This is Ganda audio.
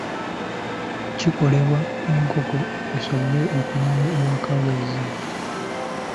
Kikolebwa enkoko esobole okumanya ewaka w'ezze.